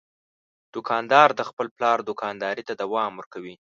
دوکاندار د خپل پلار دوکانداري ته دوام ورکوي.